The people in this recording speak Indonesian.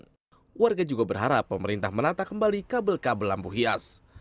keluarga juga berharap pemerintah menata kembali kabel kabel lampu hias